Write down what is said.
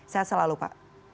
saya selalu lupa